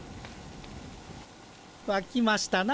わきましたな。